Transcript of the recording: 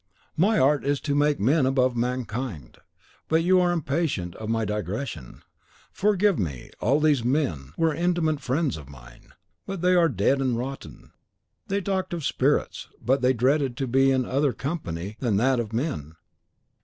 My art is to make men above mankind. But you are impatient of my digressions. Forgive me. All these men (they were great dreamers, as you desire to be) were intimate friends of mine. But they are dead and rotten. They talked of spirits, but they dreaded to be in other company than that of men.